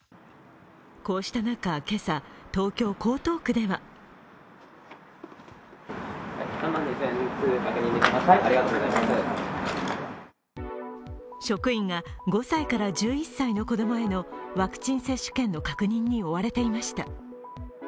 こうした中、今朝、東京・江東区では職員が５歳から１１歳の子供へのワクチン接種券の確認に追われていました。